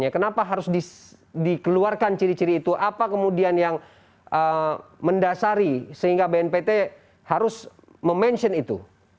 kenapa harus dikeluarkan ciri ciri itu apa kemudian yang mendasari sehingga bnpt harus memention itu